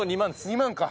２万か。